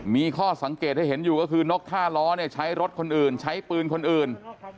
มีข้อสังเกตให้เห็นอยู่ก็คือนกท่าล้อใช้รถคนอื่นใช้ปืนคนอื่น